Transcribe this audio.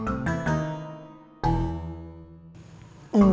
ada di sana